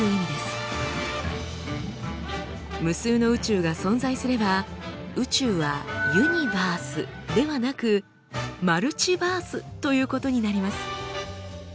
無数の宇宙が存在すれば宇宙は「ユニバース」ではなく「マルチバース」ということになります。